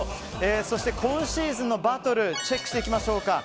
そして今シーズンのバトルチェックしていきましょう。